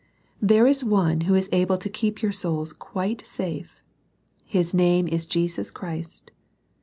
There is One who is able to keep your souls quite safe. His name is Jesus Christ.